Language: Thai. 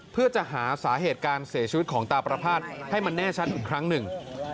เพื่อจะหาสาเหตุการเสียชีวิตของตาประภาษณ์ให้มันแน่ชัดอีกครั้งหนึ่ง